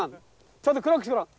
ちょっとクロックしてごらん。